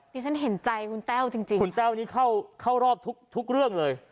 ฉันเห็นใจคุณแต้วจริงคุณแต้วนี่เข้าเข้ารอบทุกทุกเรื่องเลย